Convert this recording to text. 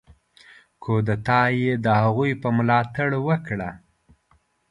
کودتا یې د هغوی په ملاتړ وکړه.